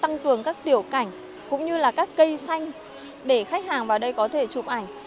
tăng cường các tiểu cảnh cũng như là các cây xanh để khách hàng vào đây có thể chụp ảnh